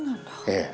ええ。